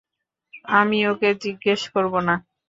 আমি ওকে জিজ্ঞেস করব না।